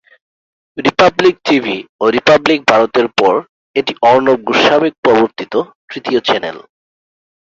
Republic TV ও republic ভারতের পর, এটি অর্ণব গোস্বামী প্রবর্তিত তৃতীয় চ্যানেল।